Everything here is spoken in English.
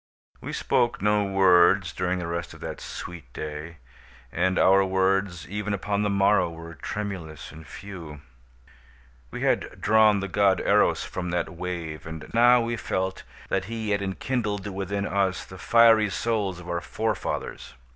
We spoke no words during the rest of that sweet day, and our words even upon the morrow were tremulous and few. We had drawn the God Eros from that wave, and now we felt that he had enkindled within us the fiery souls of our forefathers.